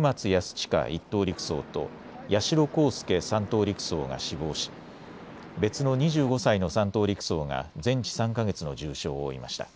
親１等陸曹と八代航佑３等陸曹が死亡し別の２５歳の３等陸曹が全治３か月の重傷を負いました。